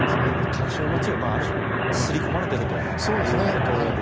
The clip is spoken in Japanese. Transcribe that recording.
関心を持つよりある種、刷り込まれていると。